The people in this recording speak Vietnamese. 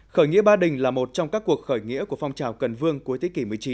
khởi nghĩa ba đình là một trong các cuộc khởi nghĩa của phong trào cần vương cuối thế kỷ một mươi chín